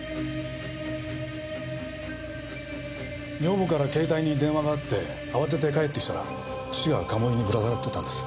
女房から携帯に電話があって慌てて帰ってきたら父が鴨居にぶら下がっていたんです。